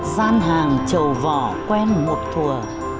gian hàng trầu vỏ quen một thùa